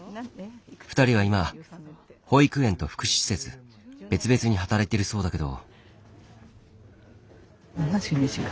２人は今保育園と福祉施設別々に働いてるそうだけど。